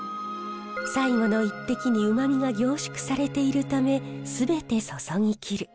最後の一滴にうまみが凝縮されているため全て注ぎ切る。